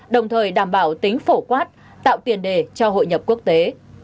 đồng thời đảm bảo tính phổ quát tạo tiền đề cho hội nhập quốc tế